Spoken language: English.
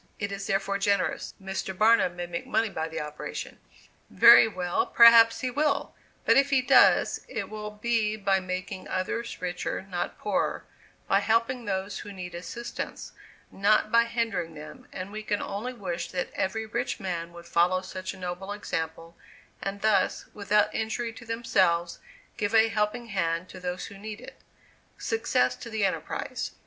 It is therefore generous. Mr. Barnum may make money by the operation. Very well, perhaps he will, but if he does, it will be by making others richer, not poorer; by helping those who need assistance, not by hindering them, and we can only wish that every rich man would follow such a noble example, and thus, without injury to themselves, give a helping hand to those who need it. Success to the enterprise.